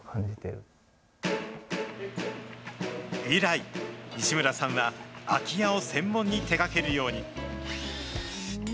以来、西村さんは空き家を専門に手がけるように。